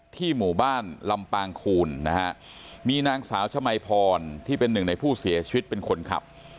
หมู่บ้านลำปางคูณนะฮะมีนางสาวชมัยพรที่เป็นหนึ่งในผู้เสียชีวิตเป็นคนขับ